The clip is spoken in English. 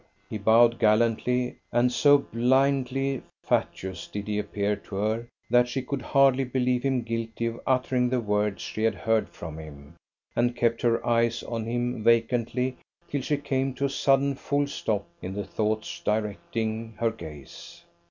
He bowed gallantly; and so blindly fatuous did he appear to her, that she could hardly believe him guilty of uttering the words she had heard from him, and kept her eyes on him vacantly till she came to a sudden full stop in the thoughts directing her gaze.